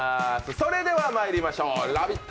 それではまいりましょう、「ラヴィット！」